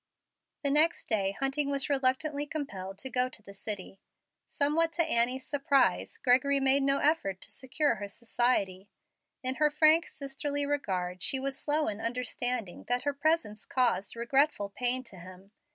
The next day Hunting was reluctantly compelled to go to the city. Somewhat to Annie's surprise, Gregory made no effort to secure her society. In her frank, sisterly regard she was slow in understanding that her presence caused regretful pain to him.